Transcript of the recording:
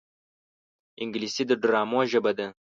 انګلیسي د ډرامو ژبه ده